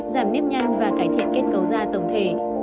giảm nếp nhăn và cải thiện kết cấu da tổng thể